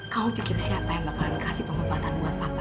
kamu pikir siapa yang dapat memberikan pengobatan untuk papa